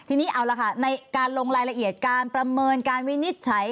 ทีนี้เอาละค่ะในการลงรายละเอียดการประเมินการวินิจฉัย